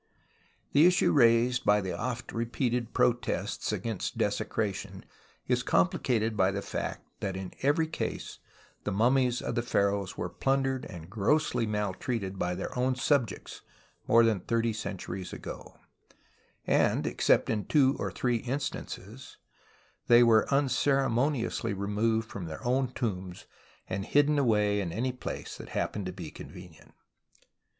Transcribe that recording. Tlie issue raised by the oft repeated protests against desecration is complicated by the fact that in every case the mummies of the pharaohs were plundered and grossly maltreated by their own subjects more than thirty centuries ago ; and, except in two or three instances, were unceremoniously removed from their own tombs and hidden awa}^ in any place that happened to be con\ enient.